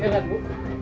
iya kan bu